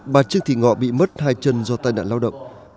bà trương thị ngọ bị mất hai chân do tai nạn lao động